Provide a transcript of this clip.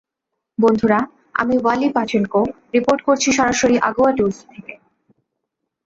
বন্ধুরা, আমি Wally Pachenko, report করছি সরাসরি আগুয়া ডুলসে থেকে।